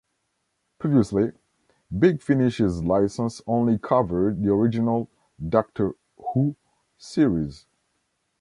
Previously, Big Finish's licence only covered the original "Doctor Who" series.